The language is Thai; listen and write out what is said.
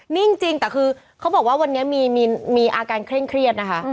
นิ่งจริงแต่คือเขาบอกว่าวันนี้มีอาการเคร่งเครียดนะคะ